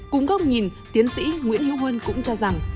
cùng góc nhìn tiến sĩ nguyễn hữu huân cũng cho rằng